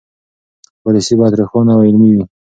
پالیسي باید روښانه او عملي وي.